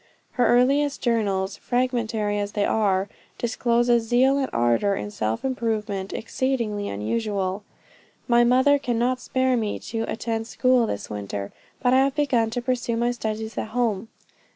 Her earliest journals, fragmentary as they are, disclose a zeal and ardor in self improvement exceedingly unusual. "My mother cannot spare me to attend school this winter, but I have begun to pursue my studies at home."